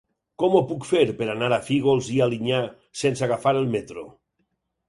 Com ho puc fer per anar a Fígols i Alinyà sense agafar el metro?